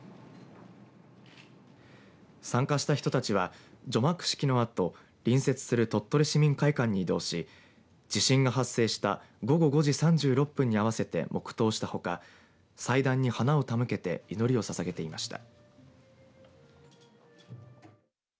参加した人たちは除幕式のあと隣接する鳥取市民会館に移動し地震が発生した午後５時３６分に合わせて黙とうしたほか祭壇に花を手向けて祈りをささげていました。